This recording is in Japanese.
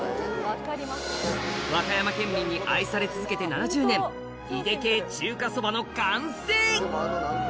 和歌山県民に愛され続けて７０年井出系中華そばの完成！